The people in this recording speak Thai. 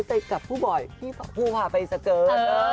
แต่กับผู้บ่อยผู้ผ่าไปสเกิด